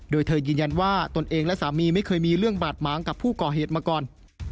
โดยเธอยืนยันว่าตนเองและสามีไม่เคยมีเรื่องบาดหมางกับผู้ก่อเหตุมาก่อน